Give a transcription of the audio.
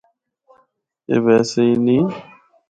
اے ویسے ای نیں۔